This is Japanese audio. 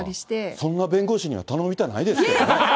そんな弁護士には頼みたくないですからね。